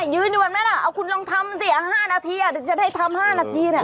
ยืนอยู่แบบนั้นเอาคุณลองทำสิ๕นาทีอยากจะได้ทำ๕นาที